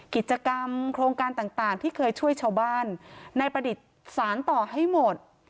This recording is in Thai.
กิจกรรมโครงการต่างที่เคยช่วยชาวบ้านนายประดิษฐ์สารต่อให้หมด